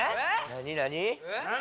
何？